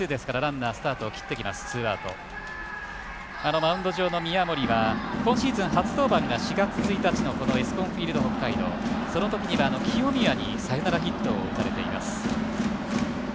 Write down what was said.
マウンド上の宮森は、今シーズン初登板４月１日のエスコンフィールド北海道そのときには清宮にサヨナラヒットを打たれています。